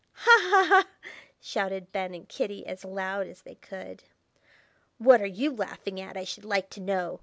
"Ha! ha! ha!" shouted Ben and Kitty, as loud as they could. "What are you laughing at, I should like to know?"